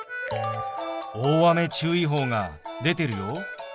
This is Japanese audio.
大雨注意報が出てるよ。